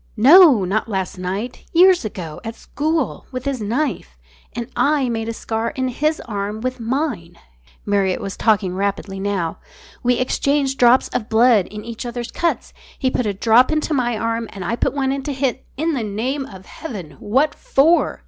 "No, not last night. Years ago at school, with his knife. And I made a scar in his arm with mine." Marriott was talking rapidly now. "We exchanged drops of blood in each other's cuts. He put a drop into my arm and I put one into his " "In the name of heaven, what for?"